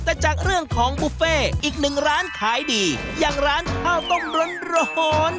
แต่จากเรื่องของบุฟเฟ่อีก๑ร้านขายดีอย่างร้านข้าวต้มร่น